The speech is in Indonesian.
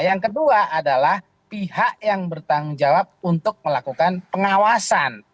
yang kedua adalah pihak yang bertanggung jawab untuk melakukan pengawasan